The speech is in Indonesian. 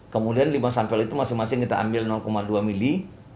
kemudian lima sampel itu masing masing kita ambil dua mili